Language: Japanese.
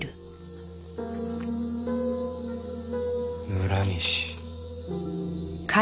村西。